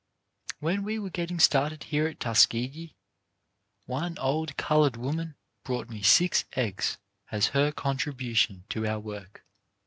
When we were getting started here at Tuskegee one old coloured woman brought me six eggs as her contribution to our work.